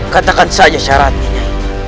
katakan saja syaratnya